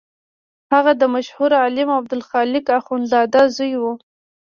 هغه د مشهور عالم عبدالخالق اخوندزاده زوی و.